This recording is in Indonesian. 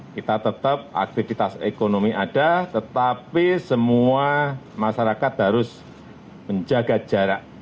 kita tetap aktivitas ekonomi ada tetapi semua masyarakat harus menjaga jarak